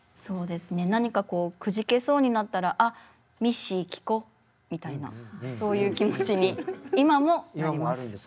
何かこうくじけそうになったらあっミッシー聴こみたいなそういう気持ちに今もなります。